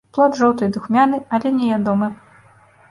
Плод жоўты і духмяны, але не ядомы.